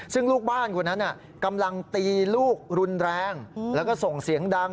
ซึ่งลูกบ้านคนนั้นกำลังตีลูกรุนแรงแล้วก็ส่งเสียงดัง